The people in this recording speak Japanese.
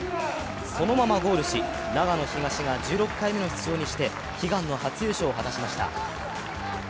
そのままゴールし、長野東が１６回目の出場にして悲願の初優勝を果たしました。